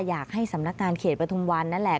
อยากให้สำนักงานเขตประทุมวันนั่นแหละ